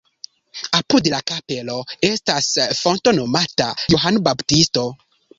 Apud la kapelo estas fonto nomata Johano Baptisto.